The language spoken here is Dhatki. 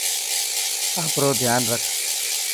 آپرو ڌيان رک.